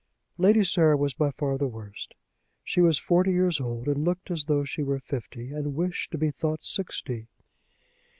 Lady Sarah was by far the worst. She was forty years old, and looked as though she were fifty and wished to be thought sixty.